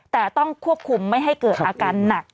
แต่ต้องควบคุมไม่ให้เกิดอาการหนัก